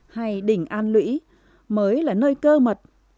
hay đình an lũy mới là nơi cơ mật